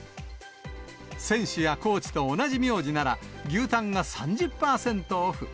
選手やコーチと同じ名字なら、牛タンが３０％オフ。